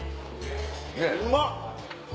うまっ！